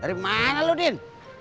dari mana lu din